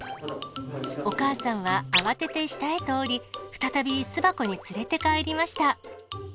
お母さんは慌てて下へと降り、再び巣箱に連れて帰りました。